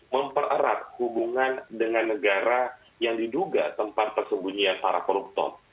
mempererat hubungan dengan negara yang diduga tempat persembunyian para koruptor